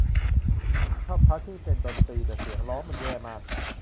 ฉันชอบพาร์ทที่เป็นดนตรีแต่เสียงร้องมันแย่มาก